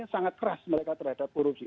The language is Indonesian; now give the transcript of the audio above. sangat keras mereka terhadap korupsi